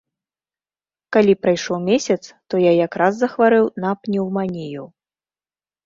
Калі прайшоў месяц, то я якраз захварэў на пнеўманію.